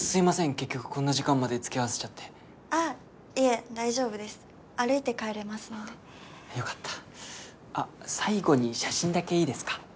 結局こんな時間までつきあわせちゃってあっいえ大丈夫です歩いて帰れますのでよかったあっ最後に写真だけいいですか？